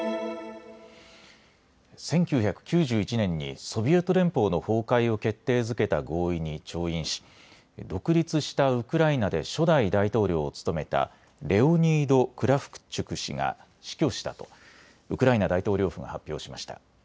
１９９１年にソビエト連邦の崩壊を決定づけた合意に調印し独立したウクライナで初代大統領を務めたレオニード・クラフチュク氏が死去したとウクライナ大統領府が発表しました。